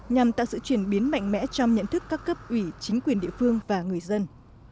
nhằm tạo sự chuyển biến mạnh mẽ trong nhận thức các cấp ủy chính quyền địa phương và người dân